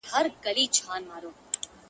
څو مېږیانو پکښي وکړل تقریرونه-